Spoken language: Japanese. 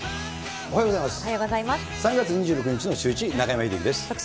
おはようございます。